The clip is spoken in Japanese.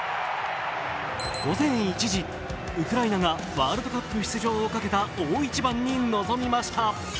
午前１時、ウクライナがワールドカップ出場をかけた大一番に臨みました。